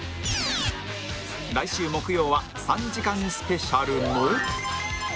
来週木曜は３時間スペシャルの